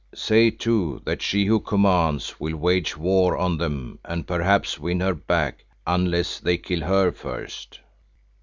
Say too that She who commands will wage war on them and perhaps win her back, unless they kill her first."